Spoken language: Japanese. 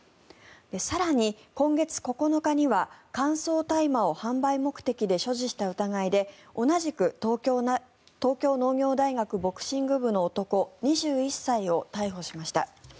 更に今月９日には乾燥大麻を販売目的で所持した疑いで同じく東京農業大学ボクシング部の男２１歳を逮捕しました。